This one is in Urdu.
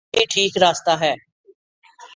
یہی ٹھیک راستہ ہے۔